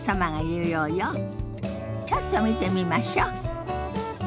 ちょっと見てみましょ。